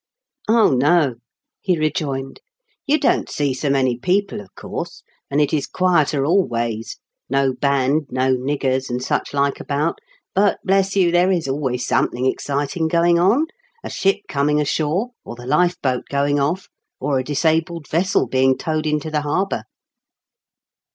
" Oh, no," he rejoined. " You don't see so many people of course, and it is quieter all ways — no band, no niggers, and such like about; but, bless you, there is always some thing exciting going on — a ship coming ashore, or the lifeboat going off, or a disabled vessel being towed into the harbour."